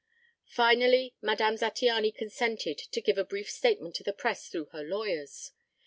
Finally Madame Zattiany consented to give a brief statement to the press through her lawyers.